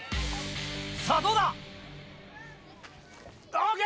さぁどうだ？ＯＫ！